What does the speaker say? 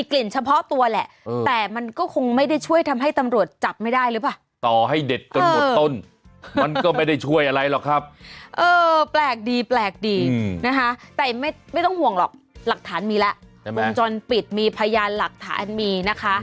เออแปลกดีแต่ไม่ต้องห่วงหรอกหลักฐานมีแล้วเขามีมีพยานหลักฐาน